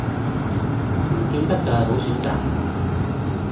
唔見得就係好選擇